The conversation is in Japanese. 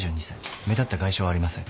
目立った外傷はありません。